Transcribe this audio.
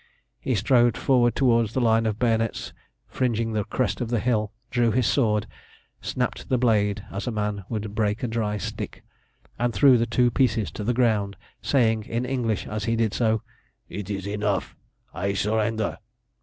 He strode forward towards the line of bayonets fringing the crest of the hill, drew his sword, snapped the blade as a man would break a dry stick, and threw the two pieces to the ground, saying in English as he did so "It is enough, I surrender!"